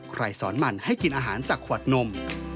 สอนมันให้กินอาหารจากขวดนม